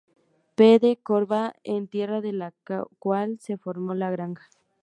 I. Peze-de-Korval, en tierras de la cual se formó la granja.